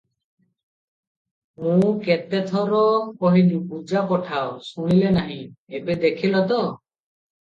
ମୂଁ କେତେ ଥର କହିଲି ପୂଜା ପଠାଅ ଶୁଣିଲେନାହିଁ, ଏବେ ଦେଖିଲେତ?